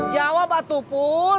jawab atuh pur